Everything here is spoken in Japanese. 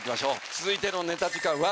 続いてのネタ時間は。